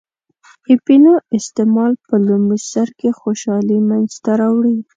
اپینو استعمال په لومړی سر کې خوشحالي منځته راوړي.